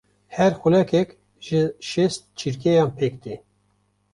Her xulekek ji şêst çirkeyan pêk tê.